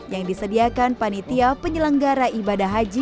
yang disediakan panitia penyelenggara ibadah haji